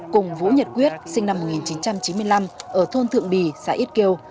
cùng vũ nhật quyết sinh năm một nghìn chín trăm chín mươi năm ở thôn thượng bì xã ít kiêu